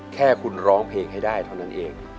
แค่คุณร้องเพลงให้ได้เท่านั้นเอง